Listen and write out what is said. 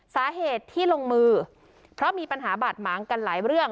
สาเหตุที่ลงมือเพราะมีปัญหาบาดหมางกันหลายเรื่อง